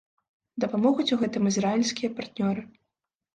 Дапамогуць у гэтым ізраільскія партнёры.